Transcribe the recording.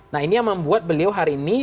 nah ini yang membuat beliau hari ini